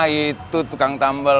itu tukang tambal